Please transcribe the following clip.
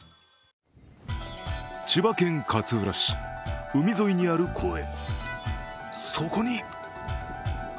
千葉県勝浦市、海沿いにある公園。